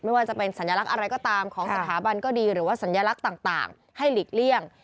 ไม่ว่าจะเป็นสัญลักษณ์อะไรก็ตามของสถาบันก็ดีหรือว่าสัญลักษณ์ต่างให้หลีกเลี่ยง